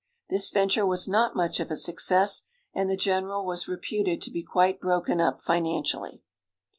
This venture was not much of a success, and the general was reputed to be quite broken up financially.